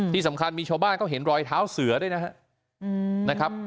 ที่สำคัญมีชาวบ้านเขาเห็นรอยเท้าเสือด้วยนะครับ